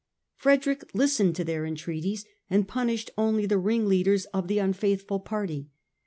Frederick listened to their entreaties and punished only the ring leaders of the unfaithful party.